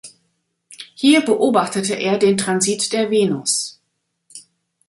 Hier beobachtete er den Transit der Venus.